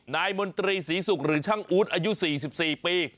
มนตรีศรีศุกร์หรือช่างอู๊ดอายุ๔๔ปี